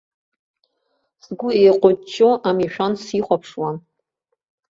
Сгәы еиҟәыҷҷо амишәан сихәаԥшуан.